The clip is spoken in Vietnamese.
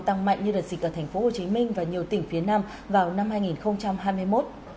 tăng mạnh như đợt dịch ở tp hcm và nhiều tỉnh phía nam vào năm hai nghìn hai mươi một